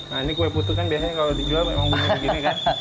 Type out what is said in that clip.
nah ini kue putu kan biasanya kalau dijual memang bumbu segini kan